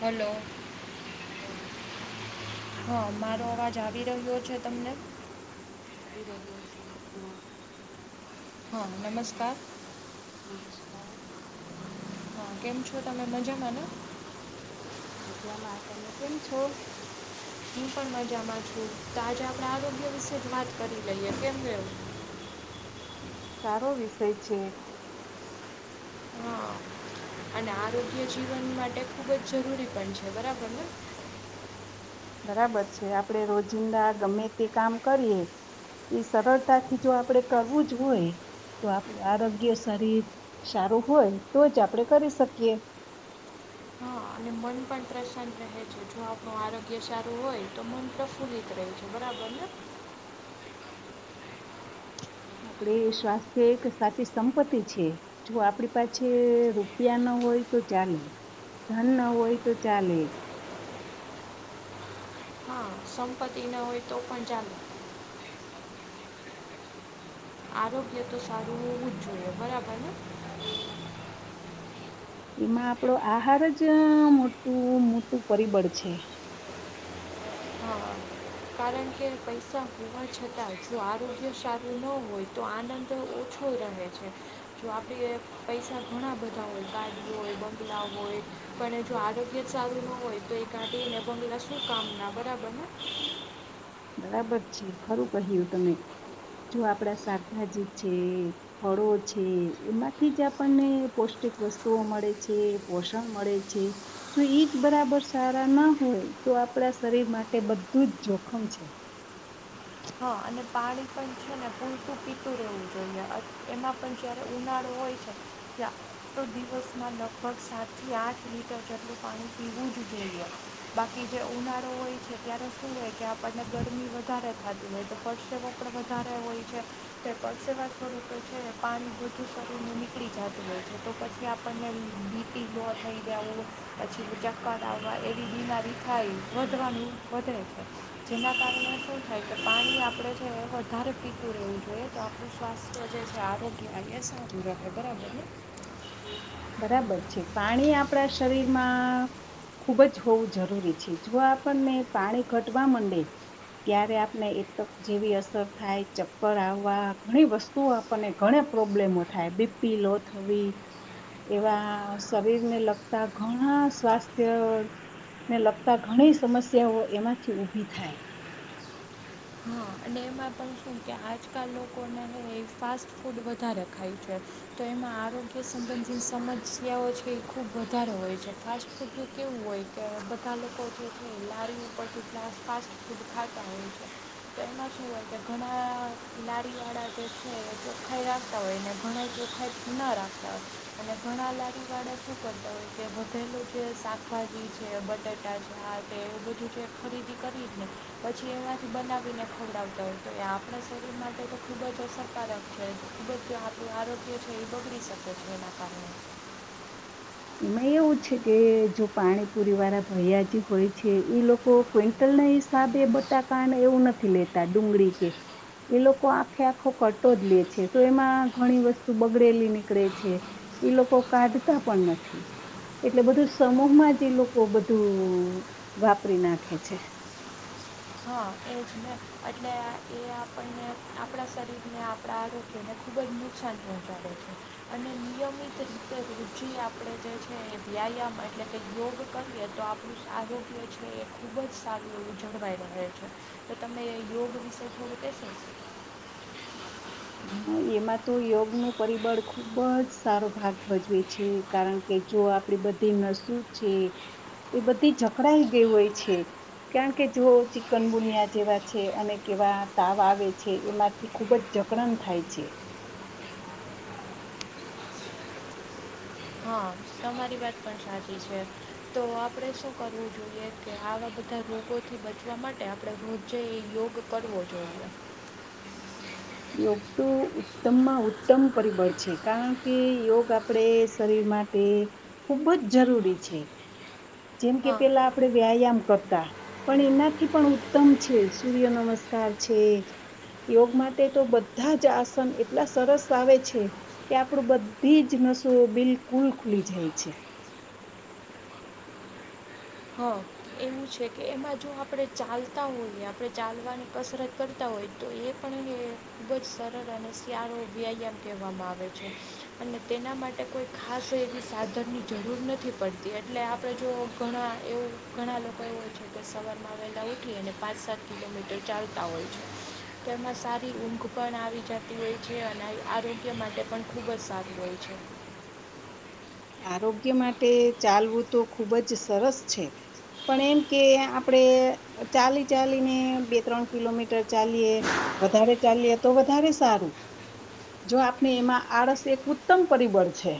Hello hello હા મારો અવાજ આવી રહ્યો છે તમને આવી રહ્યો છે ધીમો હા નમસ્કાર નમસ્કાર હા કેમ છો તમે મજામાંને મજામાં તમે કેમ છો હું પણ મજામાં છું તો આજે આપણે આરોગ્ય વિશે જ વાત કરી લઈએ [unintelligible] સારો વિષય છે. હા અને આરોગ્ય જીવન માટે ખુબ જ જરૂરી પણ છે બરાબર ને બરાબર છે આપડે રોજિંદા ગમે તે કામ કરીએ ઈ સરળતા થી જો આપડે કરવું જ હોય તો આપ આરોગ્ય શરીર સારું હોય તો જ આપણે કરી શકીએ. હા ને મન પણ પ્રસન્ન રહે. જો આપણું આરોગ્ય સારું હોય તો મન પ્રફુલ્લિત રહે છે બરાબર ને આપડી સ્વાસ્થ્ય એક સાચી સંપત્તિ છે. જો આપણી પાછે રૂપિયા ન હોય તો ચાલે. ધન ન હોય તો ચાલે. હા સંપત્તિ ન હોય તો પણ ચાલે. આરોગ્ય તો સારું રહેવું જ જોઈએ બરાબર ને. એમાં આપણો આહાર જ મોટું મોટું પરિબળ છે. હા કારણ કે પૈસા હોવા છતાં જો આરોગ્ય સારું ન હોય તો આનંદ ઓછો રહે છે. જો આપડી એ પૈસા ઘણા બધા હોય [unintelligible] હોય બંગલા હોય પણ જો આરોગ્ય જ સારું ના હોય તો એ ગાડી ને બંગલા શું કામના બરાબરને. બરાબર છે ખરું કહ્યું તમે જો આપડા શાકભાજી છે ફળો છે એમાંથી જ આપણને પૌષ્ટિક વસ્તુઓ મળે છે પોષણ મળે છે. જો ઈ જ બરાબર સારા ના હોય તો આપણા શરીર માટે બધું જ જોખમ છે. હ અને પાણી પણ છે ને પૂરતું પીતું રહેવું જોઈએ અને એમાં પણ જયારે ઉનાળો હોય છે. કયા તો દિવસના લગભગ સાતથી આઠ લીટર જેટલું પાણી પીવું જ જોઈએ. બાકી જે ઉનાળો હોય છે ત્યારે શું હોય કે આપણને ગરમી વધારે થાતી હોય તો પરસેવો પણ વધારે હોય છે. તે પરસેવા સ્વરૂપે છે ને પાણી બધું સાથે નીકળી જાતું હોય છે તો પછી કે આપણને બીપી લો થઈ ગયા હોય પછી તો ચક્કર આવવા એવી બીમારી થાય વધવાનું વધે જેના કારણે શું થાય કે પાણી આપડે છે ને વધારે પીતું રહેવું જોઈએ તો આપ ડુ સ્વાથ્ય જે છે આરોગ્ય એ સારું રહે બરાબર ને બરાબર છે પાણી આપણા શરીરમાં ખૂબ જ હોવું જરૂરી છે જો આપણને પાણી ઘટવા મંડે ત્યાંરે આપને એટક જેવી અસર થાય ચક્કર આવવા ઘણી વસ્તુઓ આપણ ને ઘણા પ્રોબ્લેમો થાય બીપી લો થવી. એવા શરીરને લગતા ઘણા સ્વાસ્થ્ય ને લગતા ઘણી સમસ્યાઓ એમાંથી ઊભી થાય. હા અને એમાં પણ શું કે આજકાલ લોકોને ફાસ્ટ ફૂડ વધારે ખાય છે. તો એમાં આરોગ્ય સંબંધિત સમસ્યાઓ છે એ ખૂબ વધારે હોય છે. ફાસ્ટ ફૂડ નું કેવું હોય કે બધા લોકો જે [unintelligible] એમાં શુ હોય કે ઘણા લાડી વાળા જે છેને ભઈ રાખતા હોયને ઘણાય દેખાય ન રાખતાં હોય અને ઘણા લારીવાળા શું કરતા હોય. તે વધેલું જે શાકભાજી છે, બટેટા છે આ તે એવું બધું જે ખરીદી કરી જ ને પછી એમાંથી બનાવીને ખવડાવતા હોય તો ને આપણા શરીર માટે તો ખૂબ જ અસરકારક છે ખૂબ જ આપણું આરોગ્ય છે એ બગડી શકે છે એના કા એમાં એવું છે કે જો પાણીપુરીવાળા ભૈયા જે હોય છે એ ઈ લોકો કોઈ તલને હિસાબે બટાકાને એવું નથી લેતાં ડુંગળી કે એ લોકો આખે આખો કટો જ લે છે તો એમાં ઘણી વસ્તુ બગડેલી નીકળે છે. ઈ લોકો કાઢતાં પણ નથી. એટલે બધું સમૂહમાં જ ઈ લોકો બધું વાપરી નાખે છે. હા એજને એટલે એ આપણને આપણા શરીરને આપણા આરોગ્યને ખૂબ જ નુકસાન પહોંચાડે છે. અને નિયમિત રીતે પછી આપણે જે છે વ્યાયામ એટલે કે યોગ કરીએ તો આપણું આરોગ્ય છે ખૂબ જ સારું જળવાઈ રહે છે તો તમે યોગ વિશે શું કેશો? હ એમાં તો યોગનું પરિબળ ખૂબ જ સારો ભાગ ભજવે છે કારણ કે જો આપડી બધી નસું છે એ બધી જકડાઈ ગઈ હોય છે. કારણ કે જો ચિકનગુનિયા જેવા છે અને કેવા તાવ આવે છે એમાંથી ખૂબ જ જ કરન થાય છે. હા, તમારી વાત પણ સાચી છે. તો આપણે શું કરવું જોઈએ કે આવાં બધાં રોગોથી બચવા માટે આપ પડે રોજે યોગ કરવો જોઈએ. યોગ તો ઉત્તમમાં ઉત્તમ પરિબળ છે કારણ કે યોગ આપડે શરીર મા તે ખૂબ જ જરૂરી છે જેમ કે હા પેલાં આપણે વ્યાયામ કરતાં. પણ એનાથી પણ ઉત્તમ છે સૂર્ય નમસ્કાર છે યોગમાં તે તો બધાં જ આસન એટલા સરસ આવે છે. કે આપડુ બધી જ નસો બિલકુલ ખુલી જાય છે. હા એવું છે કે એમાં જો આપણે ચાલતા હોઈએ આપણે ચાલવાની કસરત કરતાં હોય તો એ પણ એ ખૂબ જ સરળ અને સ્યારો વ્યાયામ કહેવામાં આવે છે. અને તેના માટે કોઈ ખાસ એવી સાધનની જરૂર નથી પડતી એટલે આપડે જો ઘણાં એવું ઘણાં લો કો હોય છે જે સવારમાં વેલા ઉઠી અને પાંચ, સાત કિલોમીટર ચાલતાં હોય છે તેમાં સારી ઊંઘ પણ આવી જાતી હોય છે અને આરોગ્ય માટે પણ ખૂબ જ સારું હોય છે. આરોગ્ય માટે ચાલવું તો ખૂબ જ સરસ છે. પણ એમ કે આપણે ચાલી ચાલીને બે ત્રણ કિલોમીટર ચાલીએ. વધારે ચાલીએ તો વધારે સારું. જો આપણે એમાં આળસ એક ઉત્તમ પરિબળ છે.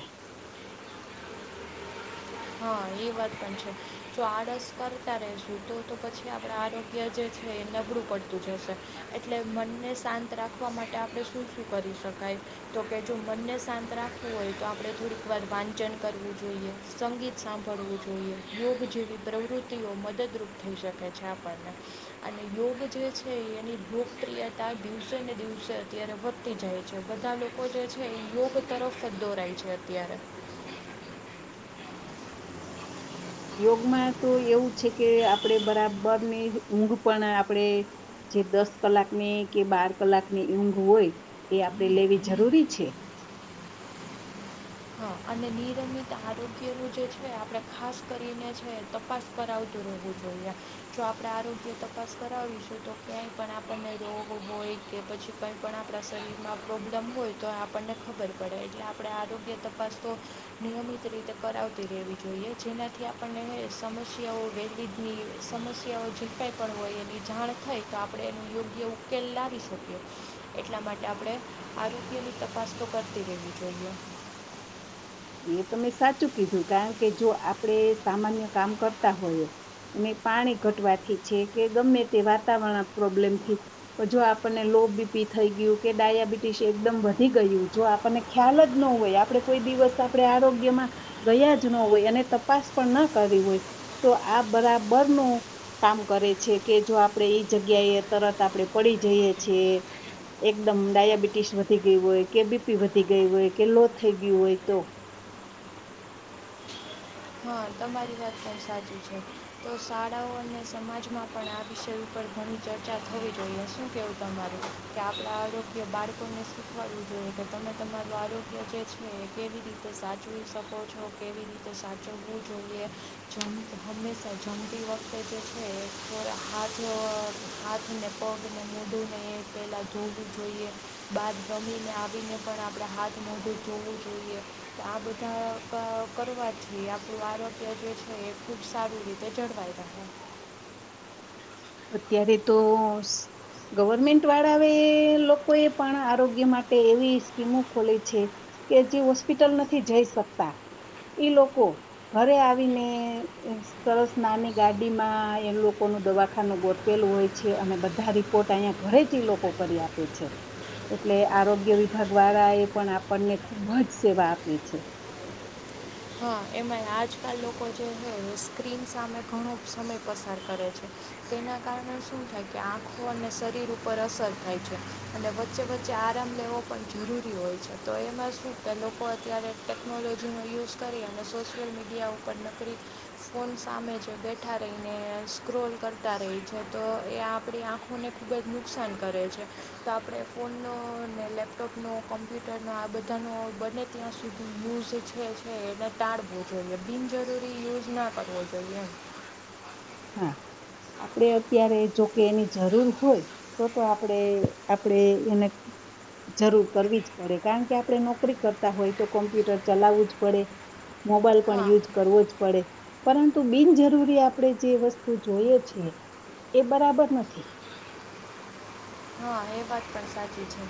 હા એ વાત પણ છે. જો આળસ કરતા રહેશું તો તો પછી આપણા આરોગ્ય જે છે એ નબળું પડતું જશે. એટલે મનને શાંત રાખવા માટે આપડે શું શું કરી શકાય? તો કે જો મનને શાંત રાખવું હોય તો આપણે થોડીકવાર વાંચન કરવું જોઈએ. સંગીત સાંભળવું જોઈએ, યોગ જેવી પ્રવૃત્તિઓ મદદરૂપ થઈ શકે છે આપણને. અને યોગ જે છે એની લોકપ્રિયતા દિવસેને દિવસે અત્યારે વધ તી જાય છે બધાં લોકો જે છે ઈ યોગ તરફ જ દોરાય છે અત્યારે. યોગમાં તો એવું છે કે આપણે બરાબરની ઊંઘ પણ આપણે જે દસ કલાકની કે બાર કલાકની ઊંઘ હોય એ આપણેે લેવી જરૂરી છે. હા અને નિરમિત આરોગ્યનું જે છે આપણે ખાસ કરીને છે તપાસ કરાવતું રહેવું જોઈએ જો આપણે આરોગ્ય તપાસ કરાવીશું. ક્યાંય પણ આપણને રોગ હોય કે પછી કંઈ પણ આપણા શરીરમાં પ્રોબ્લેમ હોય તો આપણને ખબ ખબર પડે, એટલે આપણે આરોગ્ય તપાસ તો નિયમિત રીતે કરાવતી રહેવી જોઈએ, જેનાથી આપણને સમસ્યાઓ [unintelligible] સમસ્યાઓ ઝીપટાઈ પણ હોય, અને ઈ જાણ થઈ તો આપણે એનો યોગ્ય ઉકેલ લાવી શકીએ. એટલા માટે આપણે આરોગ્યની તપાસ તો કરતી રહેવી જોઈએ. એ તમે સાચું કીધું, કારણ કે જો આપડે સામાન્ય કામ કરતા હોઈએ અને પાણી ઘટવાથી છે કે ગમે તે વાતાવરણ પ્રોબ્લેમથી તો જો આપણને લો બીપી થઈ ગયું કે ડાયાબિટીસ એકદમ વધી ગયું, જો આપણને ખ્યાલ જ ન હોય, આપડે કોઈ દિવસ આમ આપણે આરોગ્યમાં ગયા જ ન હોય અને તપાસ પણ ન કરી હોય તો આ બરાબર નું કામ કરે છે કે જો આપણે ઈ જગ્યાએ તરત આપણે પડી જઈએ છીએ એકદમ ડાયાબિટીસ વધી ગઈ હોય, કે બી પી વધી ગઈ હોય, કે લો થઈ ગયું હોય તો. હા તમારી વાત પણ સાચી છે. તો શાળાઓ અને સમાજમાં પણ આ વિષય ઉપર ઘણી ચર્ચા થવી જોઈએ. શું કેવું તમારું? કે આપણા આરોગ્ય બાળકોને શીખવાડવું જોઈએ કે તમે તમારું આરોગ્ય જે છે તે કેવી રીતે સાચવી શકો છો, કેવી રીતે સાચવવું જોઈએ, જમ હંમેશા જમતી વખતે જે છે એ [unintelligible] હાથ હાથ, ને પગને [unintelligible] પહેલાં ધોવું જોઈએ, બાદ રમીને આવીને પણ આપણે હાથ મોઢું ધોવું જોઈએ. તો આ બધા [unintelligible] કરવા જ જોઈએ. તો આરોગ્ય જે છે એ ખૂબ સારી રીતે જળવાય રહે. અત્યારે તો ગવર્મેન્ટ વાળાવે એ લોકો એ પણ આરોગ્ય માટે એવી સ્કીમો ખોલે છે કે જે હોસ્પિટલ નથી જઈ શકતા ઈ લોકો ઘરે આવી ને સરસ નાની ગાડી માં એ લોકો નો દવાખા ખાનું ગોઠવેલું હોય છે, અને બધા રિપોર્ટ અહીયાં ઘરે જ ઈ લોકો કરી આપે છે. એટલે આરોગ્ય વિભાગ વાળા એ પણ આપણને ખુબ જ સેવા આપી છે. હા. એમાંય આજકલ લોકો જે હોય એ સ્ક્રીન સામે ઘણો સમય પસાર કરે છે. તેના કારણે શું થાય કે આંખો અને શરીર ઉપર અસર થાય છે. અને વચ્ચે-વચ્ચે આરામ લેવો પણ જરૂરી હોય છે, તો એમાં શું કે લોકો અત્યારે ટેકનોલોજીનો યુઝ કરી અને સોશિયલ મીડિયાઓ ઉપર નકરી ફોન સામે જો બેઠા રહીને સ્ક્રોલ કરતા રહી છે, તો એ આપણી આંખો ઓને ખૂબ જ નુકસાન કરે છે. તો આપણે ફોનનો, ને લેપટોપનો, કમ્પ્યુટરનો આ બધાનો બને ત્યાં સુધી યુઝ છે છે એને ટાળવો જોઈએ, બિનજરૂરી યુઝ ના કરવો જોઈએ એમ. હા. આપડે અત્યારે જોકે એની જરૂર હોય તો-તો આપણે આપણેે એને જરૂર કરવી જ પડે, કારણ કે આપણે નોકરી કરતા હોય તો કોમ્પ્યુટર ચલાવવું જ પડે. મોબાઈલ પણ હા યુજ કરવો જ પડે, પરંતુ બિનજરૂરી આપણે જે વસ્તુ જોઈએ છે, એ બરાબર નથી. હા, એ વાત પણ સાચી છે.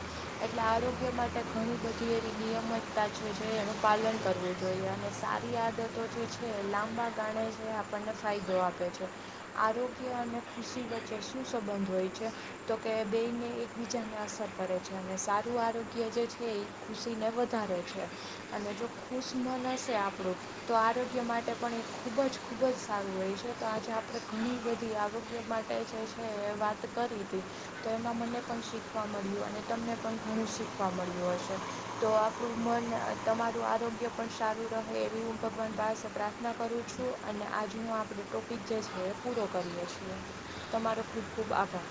એટલે આરોગ્ય માટે ઘણી બધી એવી નિયમતતા જે છે એનું પાલન કરવું જોઈએ, અને સારી આદતો જે છે એ લાંબા ગાળે જે આપણને ફાયદો આપે છે. આરોગ્ય અને ખુશી વચ્ચે શું સંબંધ હોય છે? તે બેઈને એકબીજાને અસર કરે છે, અને સારું આરોગ્ય જે છે ઈ ખુશીને વધારે છે. અને જો ખુશમન હશે આપણું તો આરોગ્ય માટે પણ એ ખૂબ જ ખૂબ જ સારું હોય છે. તો આજે આપણે ઘણી બધી આરોગ્ય માટે જે છે એ વાત કરી તી તો એમાં મને પણ શીખવા મળ્યું, અને તમને પણ ઘણું શીખવા મળ્યું હશે. તો આપણું મન આ તમારું આરોગ્ય પણ સારું રહે એવી હું ભગવાન પાસે પ્રાર્થના કરું છું અને આજ હું આપણે ટોપિક જે છે એ પૂરો કરીએ છીએ. તમારો ખૂબ ખૂબ આભાર.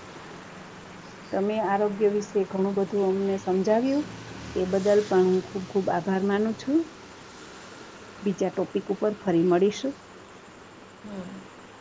તમે આરોગ્ય વિશે ઘણું બધું અમને સમજાવ્યું. એ બદલ પણ હું ખુબ ખુબ આભાર માનું છું. બીજા ટોપિક ઉપર ફરી મળીશું. હમ